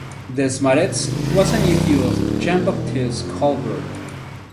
Desmaretz was a nephew of Jean-Baptiste Colbert.